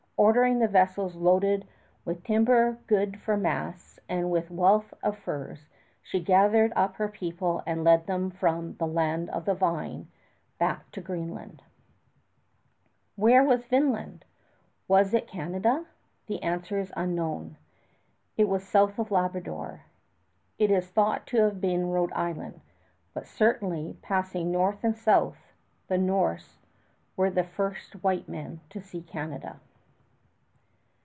Ordering the vessels loaded with timber good for masts and with wealth of furs, she gathered up her people and led them from the "Land of the Vine" back to Greenland. [Illustration: VIKING SHIP RECENTLY DISCOVERED.] Where was Vinland? Was it Canada? The answer is unknown. It was south of Labrador. It is thought to have been Rhode Island; but certainly, passing north and south, the Norse were the first white men to see Canada.